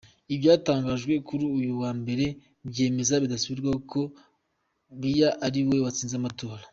Ibyatangajwe kuri uyu wa Mbere byemeza bidasubirwaho ko Biya ariwe watsinze amatora.